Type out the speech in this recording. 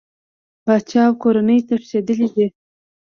پاچا او کورنۍ تښتېدلي دي.